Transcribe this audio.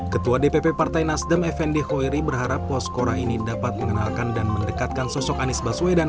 ketua dpp partai nasdem fnd hoeri berharap poskora ini dapat mengenalkan dan mendekatkan sosok anies baswedan